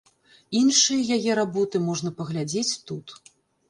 Іншыя яе работы можна паглядзець тут.